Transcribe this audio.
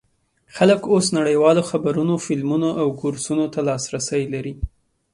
خلک اوس نړیوالو خبرونو، فلمونو او کورسونو ته لاسرسی لري.